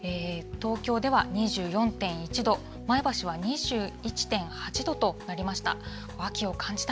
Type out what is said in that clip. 東京では２４．１度、前橋は２１．８度となりました。